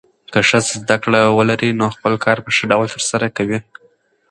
که ښځه زده کړه ولري، نو خپل کار په ښه ډول ترسره کوي.